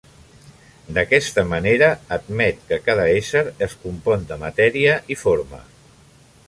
D'aquesta manera, admet que cada ésser es compon de matèria i forma.